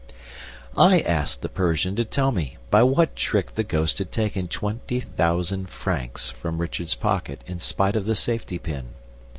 I asked the Persian to tell me by what trick the ghost had taken twenty thousand francs from Richard's pocket in spite of the safety pin.